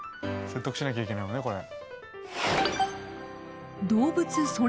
説得しなきゃいけないのねこれ。